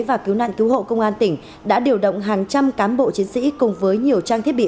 và cứu nạn cứu hộ công an tỉnh đã điều động hàng trăm cán bộ chiến sĩ cùng với nhiều trang thiết bị